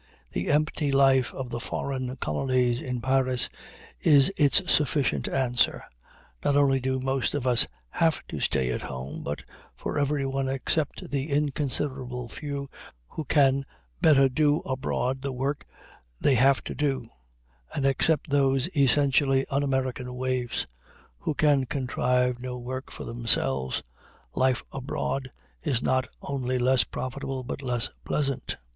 The empty life of the "foreign colonies" in Paris is its sufficient answer. Not only do most of us have to stay at home, but for everyone except the inconsiderable few who can better do abroad the work they have to do, and except those essentially un American waifs who can contrive no work for themselves, life abroad is not only less profitable but less pleasant.